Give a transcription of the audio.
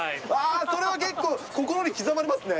それは結構、心に刻まれますね。